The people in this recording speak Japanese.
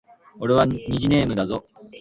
俺は虹ネームだぞ